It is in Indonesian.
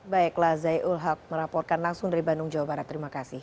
baiklah zai ul haq meraporkan langsung dari bandung jawa barat terima kasih